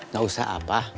gak usah apa